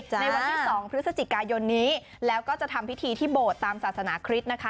ในวันที่๒พฤศจิกายนนี้แล้วก็จะทำพิธีที่โบสถ์ตามศาสนาคริสต์นะคะ